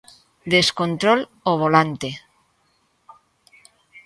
Descontrol ao volante.